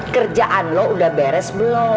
kerjaan lo udah beres belum